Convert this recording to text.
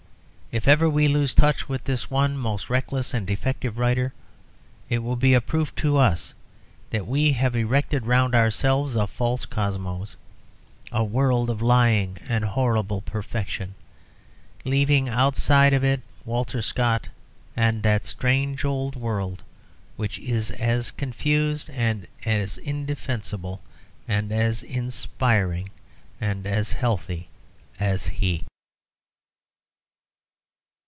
If ever we lose touch with this one most reckless and defective writer, it will be a proof to us that we have erected round ourselves a false cosmos, a world of lying and horrible perfection, leaving outside of it Walter Scott and that strange old world which is as confused and as indefensible and as inspiring and as healthy as he.